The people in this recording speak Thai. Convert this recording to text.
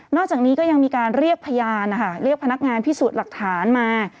อกจากนี้ก็ยังมีการเรียกพยานนะคะเรียกพนักงานพิสูจน์หลักฐานมา